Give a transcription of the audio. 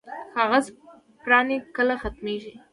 کاغذ پراني کله ختمیږي؟